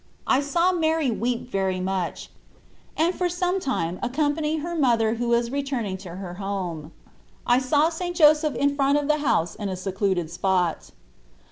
I saw Mary weep very much, and for some time ac company her mother who was returning to her home. I saw St. Joseph in front of the house in a secluded spot.